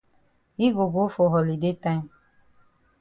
Yi go go for holiday time.